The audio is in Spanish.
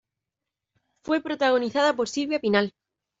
Fue protagonizada por Silvia Pinal.